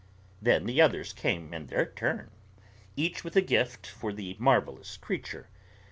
Then the others came in their turn, each with a gift for the marvelous creature.